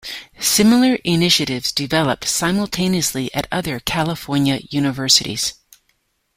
Similar initiatives developed simultaneously at other California universities.